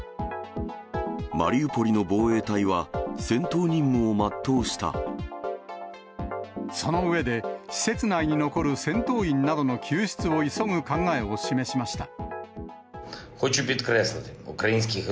マリウポリの防衛隊は、その上で、施設内に残る戦闘員などの救出を急ぐ考えを示しました。